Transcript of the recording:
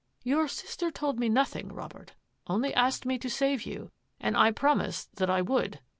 "Your sister told me nothing, Robert; only asked me to save you, and I promised that I would."